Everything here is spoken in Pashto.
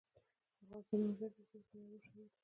افغانستان د مزارشریف په برخه کې نړیوال شهرت لري.